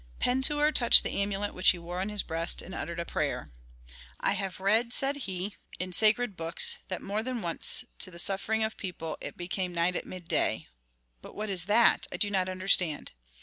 Pentuer touched the amulet which he wore on his breast, and uttered a prayer. "I have read," said he, "in sacred books that more than once to the suffering of people it became night at midday. But what is that? I do not understand."